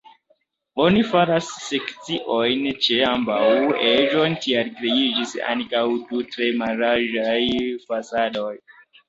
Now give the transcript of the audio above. Oni faris sekciojn ĉe ambaŭ eĝoj, tial kreiĝis ankaŭ du tre mallarĝaj fasadoj.